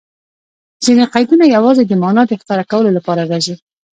ځیني قیدونه یوازي د مانا د ښکاره کولو له پاره راځي.